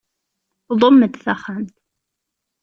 Ḍumm-d taxxamt.